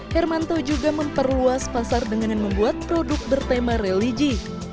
hermanto juga memperluas pasar dengan membuat produk bertema religi